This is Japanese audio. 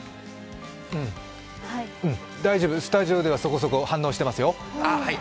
大丈夫、スタジオではそこそこ反応していますよ。